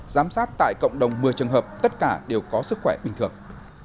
giám sát tại cộng đồng một mươi trường hợp tất cả đều có sức khỏe bình thường